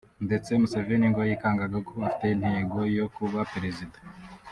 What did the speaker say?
ndetse Museveni ngo yikangaga ko afite intego yo kuba perezida